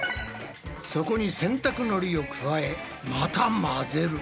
そこに洗濯のりを加えまた混ぜる。